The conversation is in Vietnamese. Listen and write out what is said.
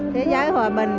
thế giới hòa bình